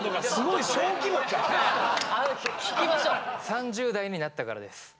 ３０代になったからです。